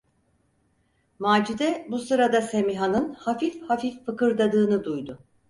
Macide bu sırada Semiha’nın hafif hafif fıkırdadığını duydu.